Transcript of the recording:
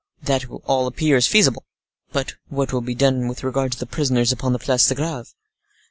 "That all appears feasible. But what will be done with regard to the prisoners upon the Place de Greve?"